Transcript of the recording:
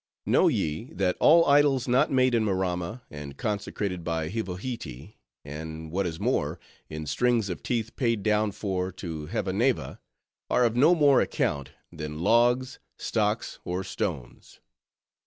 Know ye, that all idols not made in Maramma, and consecrated by Hivohitee; and, what is more, in strings of teeth paid down for to Hevaneva; are of no more account, than logs, stocks, or stones.